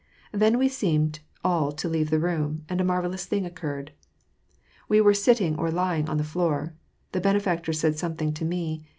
Then we seemed all to leave the room, and a marvellous thing occurred. We were sitting or lying on the floor. The Benefactor said something to me.